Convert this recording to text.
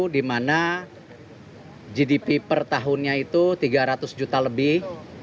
dimana gdp per tahunnya itu tiga ratus juta lebih